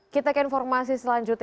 kita ke informasi selanjutnya